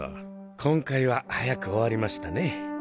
今回は早く終わりましたね